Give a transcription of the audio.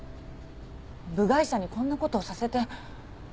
部外者にこんなことをさせて。